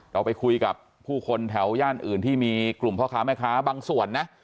เราไปคุยกับผู้คนแถวย่านอื่นที่มีกลุ่มพ่อค้าแม่ค้าบางส่วนนะ